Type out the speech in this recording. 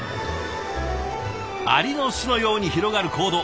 アリの巣のように広がる坑道。